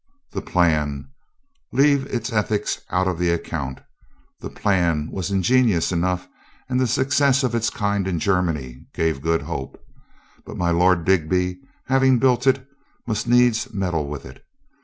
The plan — leave Its ethics out of the account — the plan was ingenious enough and the success of its kind in Germany gave good hope. But my Lord Digby, having built it, must needs meddle with it.